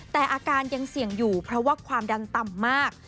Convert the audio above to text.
แต่อาการยังเสี่ยงอยู่เพราะว่าความดันต่ำมาก